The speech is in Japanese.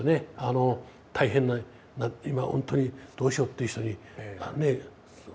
大変な今ほんとにどうしようっていう人にねえ